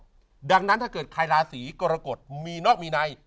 เพราะฉะนั้นถ้าเกิดใครราศีกรกฎมีนอกมีใน